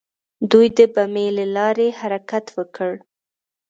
دوی د بمیي له لارې حرکت وکړ.